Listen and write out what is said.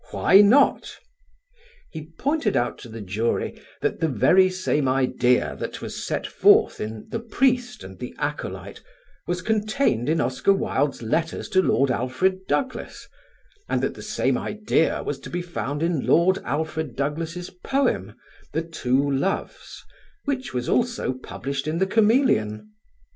Why not? He pointed out to the jury that the very same idea that was set forth in "The Priest and the Acolyte" was contained in Oscar Wilde's letters to Lord Alfred Douglas, and the same idea was to be found in Lord Alfred Douglas' poem, "The Two Loves," which was published in The Chameleon.